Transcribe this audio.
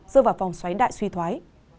dựa vào phòng xoáy đại suy thoái